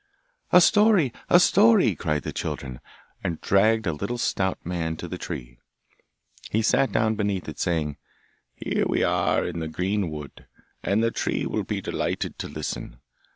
'A story! a story!' cried the children, and dragged a little stout man to the tree; he sat down beneath it, saying, 'Here we are in the greenwood, and the tree will be delighted to listen!